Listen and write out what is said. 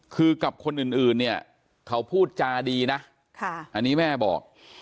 คือกับคนอื่นเนี่ยเขาพูดจาดีนะอันนี้แม่บอก